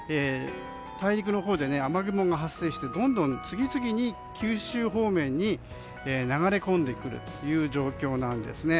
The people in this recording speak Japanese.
大陸のほうで雨雲が発生して次々に九州方面に流れ込んでくる状況です。